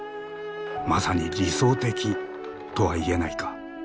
まさに理想的とは言えないか。